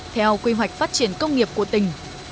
theo quy hoạch phát triển công nghiệp của tỉnh